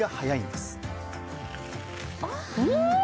うん！